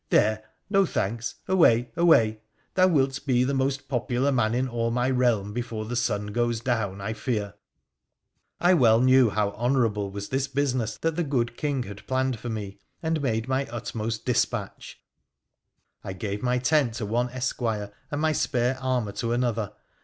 There, no thanks, away ! away ! thou wilt be the most popular man in all my realm before the sun goes down, I fear.' I well knew how honourable was this business that the good King had planned for me, and made my utmost dis PHRA THE PHCENICIAtf 227 patch. I gave my tent to one esquire and my spare armour to another.